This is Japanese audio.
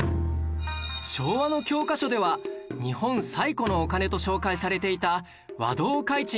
昭和の教科書では日本最古のお金と紹介されていた和同開珎